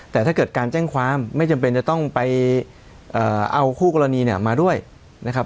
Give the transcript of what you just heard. แต่ถ้าเกิดการแจ้งความไม่จำเป็นจะต้องไปเอาคู่กรณีเนี่ยมาด้วยนะครับ